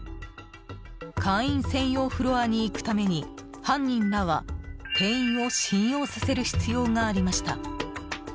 会員専用フロアに行くために犯人らは店員を信用させる必要がありました。